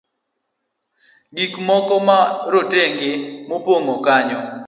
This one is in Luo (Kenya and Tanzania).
gik moko ma rotenge nopong'o kanyo